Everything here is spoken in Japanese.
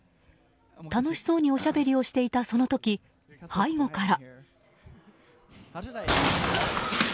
楽しそうにおしゃべりをしていたその時、背後から。